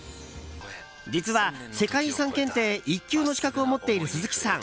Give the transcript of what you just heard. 実は世界遺産検定１級の資格を持っている鈴木さん。